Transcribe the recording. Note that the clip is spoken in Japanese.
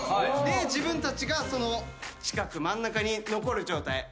で自分たちがその近く真ん中に残る状態。